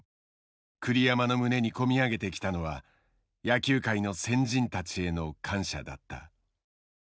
栗山の胸にこみ上げてきたのは野球界の先人たちへの感謝だった。